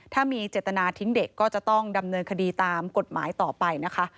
ถ้ามีเจตนาทิ้งเด็กก็จะต้องดำเนินคดีตามกฎหมายต่อไปนะคะ